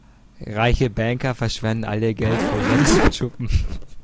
Reiche Banker verschwenden all ihr Geld für Loks und Schuppen.